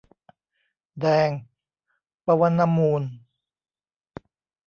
แดง ปวนมูล